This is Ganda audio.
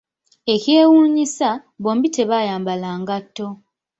Ekyewuunyisa, bombi tebayambala ngatto.